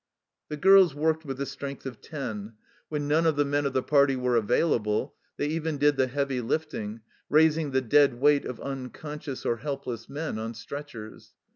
The girls worked with the strength of ten ; when IN THE THICK OF A BATTLE 23 none of the men of the party were available they even did the heavy lifting, raising the dead weight of unconscious or helpless men on stretchers.